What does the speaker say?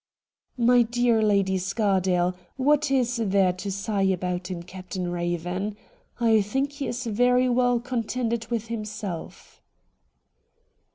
' My dear Lady Scardale, what is there to sigh about in Captain Eaven ? I think he is very well contented with himself.'